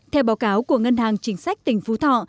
theo báo cáo của ngân hàng chính sách tỉnh phú thọ